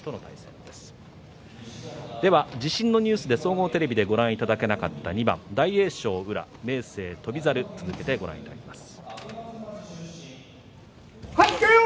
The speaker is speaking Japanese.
地震のニュースで総合テレビでご覧いただけなかった２番大栄翔、宇良、明生、翔猿を続けてご覧いただきます。